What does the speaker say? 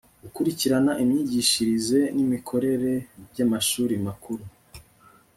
gukurikirana imyigishirize n'imikorere by'amashuri makuru